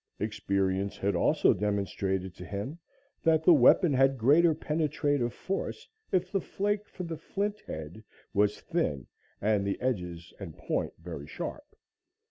Experience had also demonstrated to him that the weapon had greater penetrative force if the flake for the flint head was thin and the edges and point very sharp.